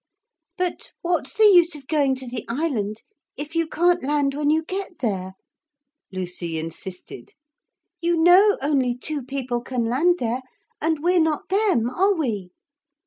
'But what's the use of going to the island if you can't land when you get there?' Lucy insisted. 'You know only two people can land there, and we're not them, are we?'